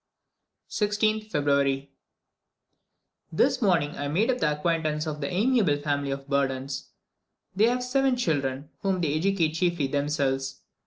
16th February. This morning I made the acquaintance of the amiable family of the Burdons. They have seven children, whom they educate chiefly themselves.